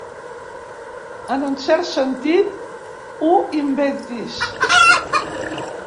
En un cert sentit, ho inventis.